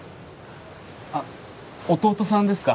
あっ弟さんですか？